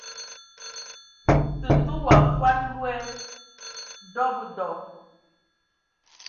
Tətə wa vuan loe dɔbədɔ.